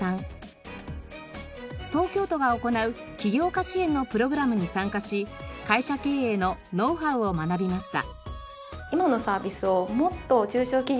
東京都が行う起業家支援のプログラムに参加し会社経営のノウハウを学びました。